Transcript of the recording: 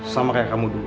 sama kayak kamu dulu